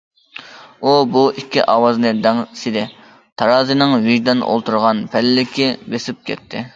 ئۇ بۇ ئىككى ئاۋازنى دەڭسىدى، تارازىنىڭ ۋىجدان ئولتۇرغان پەللىكى بېسىپ كەتتى.